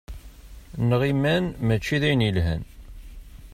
Nɣiman mačči d ayen yelhan.